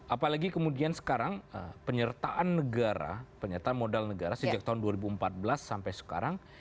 apalagi kemudian sekarang penyertaan negara penyertaan modal negara sejak tahun dua ribu empat belas sampai sekarang